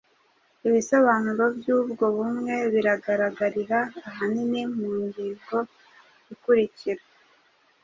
Ibisobanuro by'ubwo bumwe biragaragarira ahanini mu ngingo ikurikira.